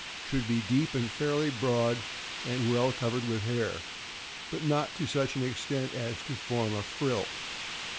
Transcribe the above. — Should be deep and fairly broad, and well cov ered with hair, but not to such an extent as to form a frill.